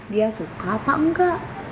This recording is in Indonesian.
dia suka apa engga